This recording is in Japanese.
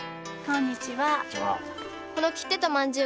こんにちは。